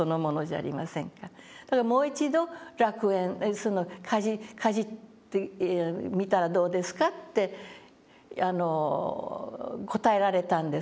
だからもう一度楽園かじってみたらどうですかって答えられたんですね。